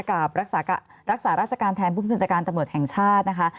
กับรักษาราชการแทนผู้บัญชาการตำรวจแห่งชาตินะคะ